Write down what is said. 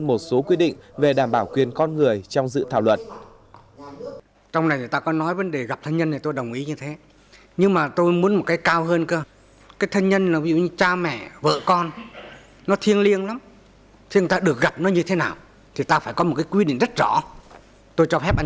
một số quy định về đảm bảo quyền con người trong dự thảo luật